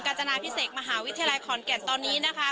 จนาพิเศษมหาวิทยาลัยขอนแก่นตอนนี้นะคะ